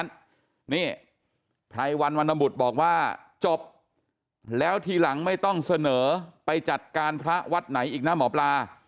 นั่นนี่ไพรวันวันนบุตรบอกว่าจบแล้วทีหลังไม่ต้องเสนอไปจัดการพระวัดไหนอีกนะหมอปลา